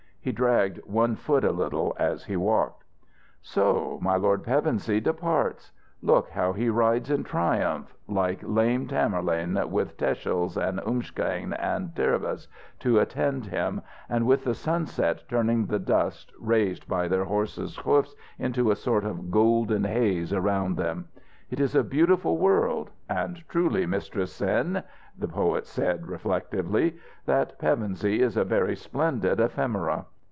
He dragged one foot a little as he walked. "So my lord Pevensey departs! Look how he rides in triumph! like lame Tamburlaine, with Techelles and Usumcasane and Theridamas to attend him, and with the sunset turning the dust raised by their horses' hoofs into a sort of golden haze about them. It is a beautiful world. And truly, Mistress Cyn," the poet said, reflectively, "that Pevensey is a very splendid ephemera.